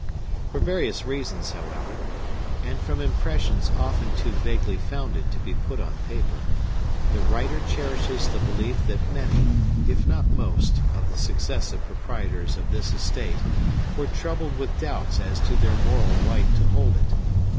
For various reasons, however, and from impressions often too vaguely founded to be put on paper, the writer cherishes the belief that many, if not most, of the successive proprietors of this estate were troubled with doubts as to their moral right to hold it.